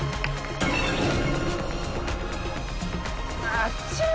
あっちゃ！